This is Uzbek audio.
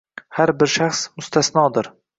Har bir Shaxs mustasnodir